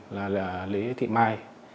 là lý thị mai